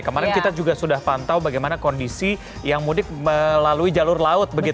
kemarin kita juga sudah pantau bagaimana kondisi yang mudik melalui jalur laut